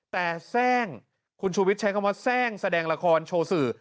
แต่แทร่งคุณชูวิทย์ใช้คำว่าแทร่งแสดงละครโชว์สื่อ